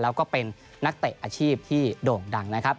แล้วก็เป็นนักเตะอาชีพที่โด่งดังนะครับ